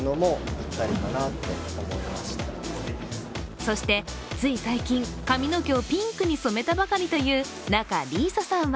そしてつい最近、髪の毛をピンクに染めたばかりという仲里依紗さんは